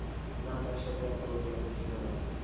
না, তার সাথে আর তোমার যোগাযোগ ছিল না।